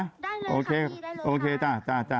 แล้วก็ขอพ้อนก็คือหยิบมาเลยค่ะพี่หมดำ